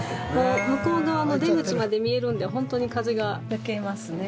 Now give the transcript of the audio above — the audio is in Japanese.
向こう側の出口まで見えるんでホントに風が抜けますね。